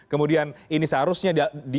kemudian ini seharusnya